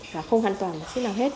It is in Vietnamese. và không an toàn là thế nào hết